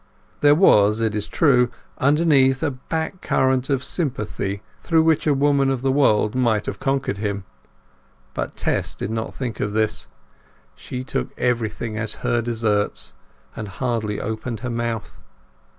There was, it is true, underneath, a back current of sympathy through which a woman of the world might have conquered him. But Tess did not think of this; she took everything as her deserts, and hardly opened her mouth.